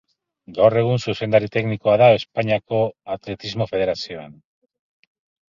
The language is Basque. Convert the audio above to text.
Gaur egun zuzendari teknikoa da Espainiako Atletismo Federazioan.